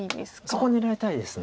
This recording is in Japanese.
そこ狙いたいです。